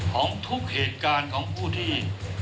ของทุกเหตุการณ์ของผู้ที่